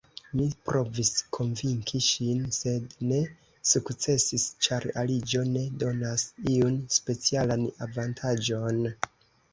Mi provis konvinki ŝin, sed ne sukcesis, ĉar aliĝo ne donas iun specialan avantaĝon.